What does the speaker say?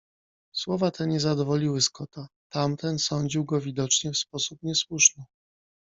Słowa te nie zadowoliły Scotta. Tamten sądził go widocznie w sposób niesłuszny.